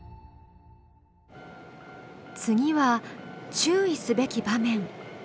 次は注意すべき場面。